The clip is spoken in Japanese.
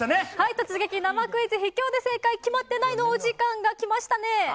突撃生クイズ、秘境で正解決まってないのお時間が来ましたね。